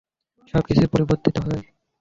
সবকিছুই পরিবর্তিত হয়।